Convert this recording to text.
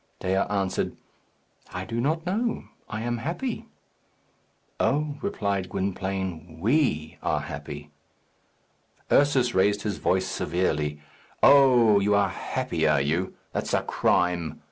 Dea answered, "I do not know. I am happy." "Oh," replied Gwynplaine, "we are happy." Ursus raised his voice severely, "Oh, you are happy, are you? That's a crime.